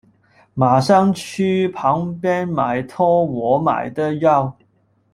马上去旁边买托我买的药